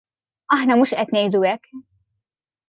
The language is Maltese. Aħna mhux qed ngħidu hekk.